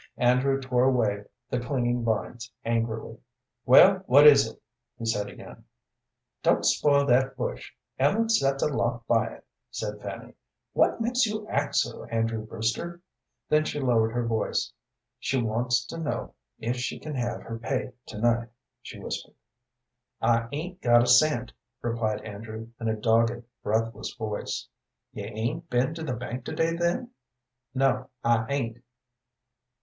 Andrew tore away the clinging vines angrily. "Well, what is it?" he said again. "Don't spoil that bush, Ellen sets a lot by it," said Fanny. "What makes you act so, Andrew Brewster?" Then she lowered her voice. "She wants to know if she can have her pay to night," she whispered. "I 'ain't got a cent," replied Andrew, in a dogged, breathless voice. "You 'ain't been to the bank to day, then?" "No, I 'ain't."